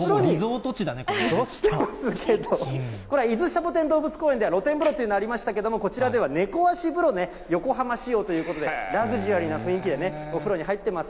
これ、伊豆シャボテン動物公園では露天風呂というのがありましたけれども、こちらでは、猫足風呂ね、横浜仕様ということで、ラグジュアリーな雰囲気でね、お風呂に入っています。